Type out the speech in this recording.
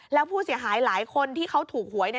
แล้วผู้เสียหายหลายคนที่เขาถูกหวย